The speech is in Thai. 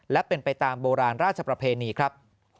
และเป็นไปตามโบราณราชประเพณีครับ